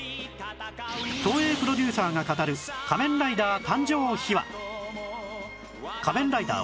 東映プロデューサーが語る『仮面ライダー』誕生秘話